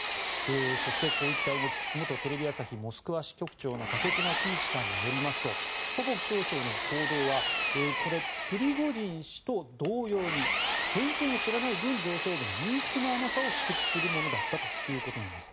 そして、こういった動き元テレビ朝日モスクワ支局長の武隈喜一さんによりますとポポフ少将の行動はプリゴジン氏と同様に前線を知らない軍上層部の認識の甘さを指摘するものだったということなんです。